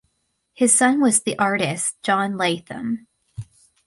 His son was the artist John Latham.